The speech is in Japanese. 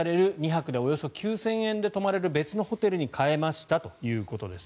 ２泊でおよそ９０００円で泊まれる別のホテルに変えましたということです。